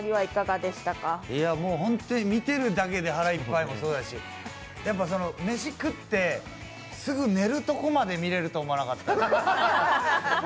見てるだけで、腹いっぱいもそうだし、やっぱ飯食ってすぐ寝るとこまで見れると思わなかった。